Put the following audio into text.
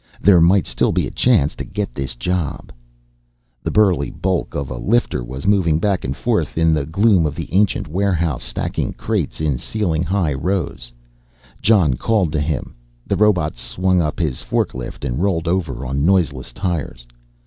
There might still be a chance to get this job. The burly bulk of a lifter was moving back and forth in the gloom of the ancient warehouse stacking crates in ceiling high rows. Jon called to him, the robot swung up his forklift and rolled over on noiseless tires.